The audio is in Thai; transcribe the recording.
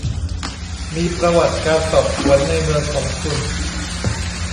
มีประวัติการสอบสวนในเมืองของคุณ